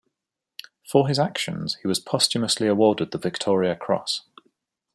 For his actions he was posthumously awarded the Victoria Cross.